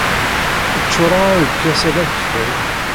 Ččureɣ-a lkas-a d akeffay.